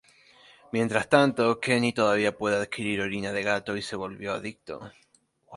Mientras tanto, Kenny todavía puede adquirir orina de gato y se volvió adicto.